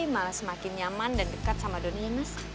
malah semakin nyaman dan dekat sama dunia mas